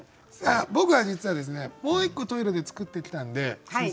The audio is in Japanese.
僕は実はもう１個「トイレ」で作ってきたんで先生